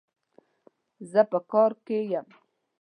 زه په کار کي يم